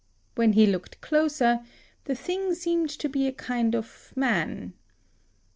When he looked closer, the thing seemed to be a kind of man.